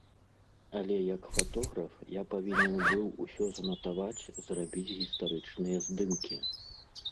Але як фатограф, я павінен быў усё занатаваць, зрабіць гістарычныя здымкі.